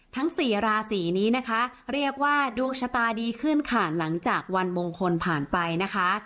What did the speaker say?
ทั้งสี่ราศีนี้นะคะเรียกว่าดวงชะตาดีขึ้นค่ะหลังจากวันมงคลผ่านไปนะคะ